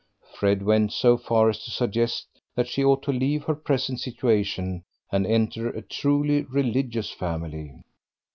Fred went so far as to suggest that she ought to leave her present situation and enter a truly religious family.